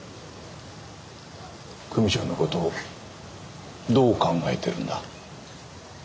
久美ちゃんのことどう考えてるんだ？